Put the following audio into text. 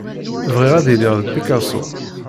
Bɣiɣ ad iliɣ d Picasso.